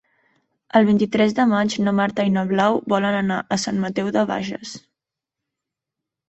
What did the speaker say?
El vint-i-tres de maig na Marta i na Blau volen anar a Sant Mateu de Bages.